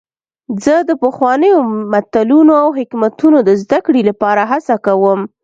زه د پخوانیو متلونو او حکمتونو د زدهکړې لپاره هڅه کوم.